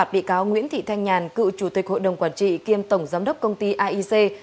bà nhàn cựu chủ tịch hội đồng quản trị kiêm tổng giám đốc công ty iec